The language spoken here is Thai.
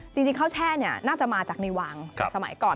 จริงข้าวแช่น่าจะมาจากในวังสมัยก่อน